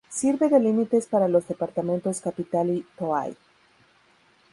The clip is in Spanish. Sirve de límites para los departamentos Capital y Toay.